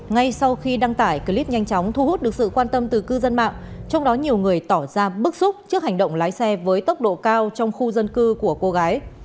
ngay sau khi đăng tải clip nhanh chóng thu hút được sự quan tâm từ cư dân mạng trong đó nhiều người tỏ ra bức xúc trước hành động lái xe với tốc độ cao trong khu dân cư của cô gái